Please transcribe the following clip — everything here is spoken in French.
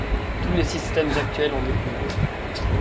Tous les systèmes actuels en découlent.